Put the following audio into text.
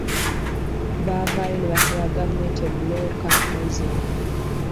Baavaayo ne basaba gavumenti eggulewo kkampuni zino .